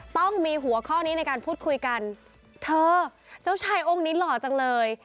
ต้องมีหัวข้อนี้ในการพูดคุยกันเธอเจ้าชายองค์นี้หล่อจังเลย